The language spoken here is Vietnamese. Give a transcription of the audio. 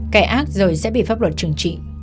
kẻ ác rồi sẽ bị pháp luật trừng trị